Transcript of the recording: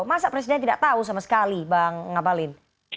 masa presiden tidak tahu sama sekali bang ngabalin